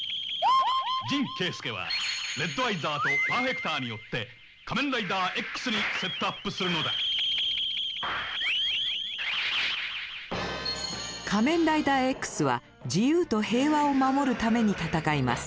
神敬介はレッドアイザーとパーフェクターによって仮面ライダーＸにセットアップするのだ仮面ライダーＸは自由と平和を守るために戦います。